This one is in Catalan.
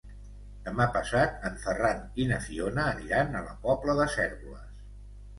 Demà passat en Ferran i na Fiona aniran a la Pobla de Cérvoles.